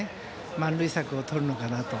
満塁策をとるのかなと。